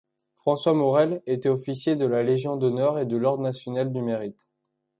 François Morel était officier de la Légion d'honneur et de l'ordre national du Mérite.